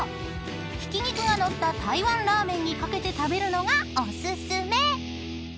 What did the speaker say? ［ひき肉が載った台湾ラーメンに掛けて食べるのがお薦め］